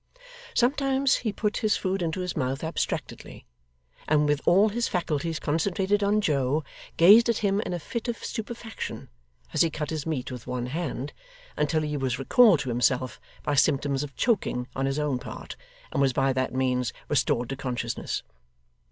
Sometimes, he put his food into his mouth abstractedly, and, with all his faculties concentrated on Joe, gazed at him in a fit of stupefaction as he cut his meat with one hand, until he was recalled to himself by symptoms of choking on his own part, and was by that means restored to consciousness.